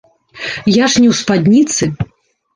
Я ж не ў спадніцы.